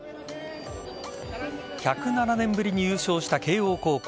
１０７年ぶりに優勝した慶応高校。